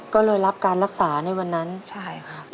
ก็เลยรับการรักษาในวันนั้นใช่ครับ